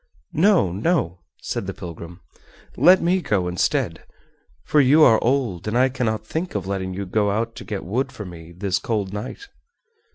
"No, no," said the pilgrim, "let me go instead, for you are old, and I cannot think of letting you go out to get wood for me this cold night!"